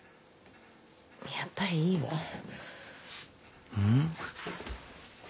やっぱりいいわ。